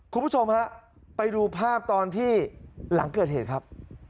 คุณผู้ชมฮะไปดูภาพตอนที่หลังเกิดเหตุครับ